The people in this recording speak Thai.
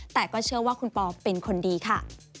แต่ก็เชื่อว่าคุณปอเป็นคนดีค่ะ